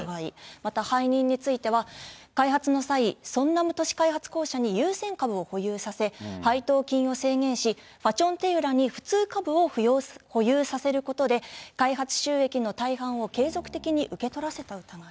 または委任については開発の際、ソンナム都市開発公社に優先株を保有させ、配当金を制限し、ファチョンテユらに普通株を保有させることで、開発収益の大半を継続的に受け取らせた疑い。